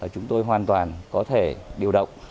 chúng tôi hoàn toàn có thể điều động